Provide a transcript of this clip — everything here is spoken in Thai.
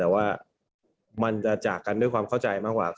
แต่ว่ามันจะจากกันด้วยความเข้าใจมากกว่า